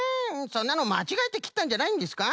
そんなのまちがえてきったんじゃないんですか？